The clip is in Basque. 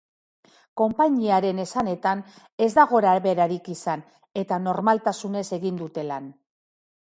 Konpainiaren esanetan, ez da gorabeherarik izan, eta normaltasunez egin dute lan.